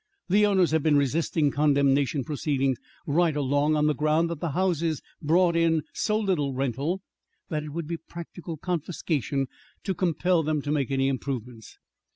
The owners have been resisting condemnation proceedings right along, on the ground that the houses brought in so little rental that it would be practical confiscation to compel them to make any improvements.